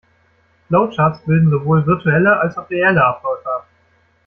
Flowcharts bilden sowohl virtuelle, als auch reelle Abläufe ab.